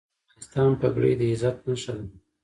د افغانستان پګړۍ د عزت نښه ده